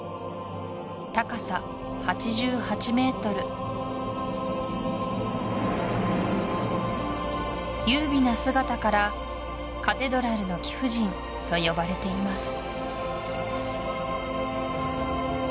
高さ８８ｍ優美な姿から「カテドラルの貴婦人」と呼ばれています